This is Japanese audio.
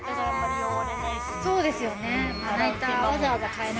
そうですよね。